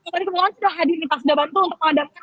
pengalaman sudah hadir di pasudabantu untuk mengadakan api